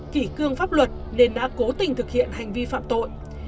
kỷ cương pháp luật nên đã cố tình thực hiện hành vi phạm tội